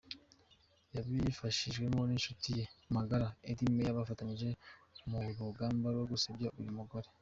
Yabifashijwemo n’inshuti ye magara Ed Meyer bafatanyije mu rugamba rwo gusebya uyu mugore.